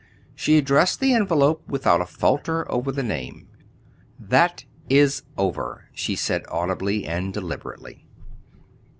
She addressed the envelope without a falter over the name. "That is over," she said audibly and deliberately.